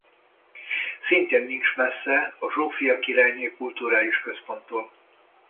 Szintén nincs messze a Zsófia Királyné Kulturális Központtól.